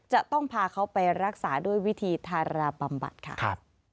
จะต้องพาเขาไปรักษาด้วยวิธีทาราบำบัดค่ะ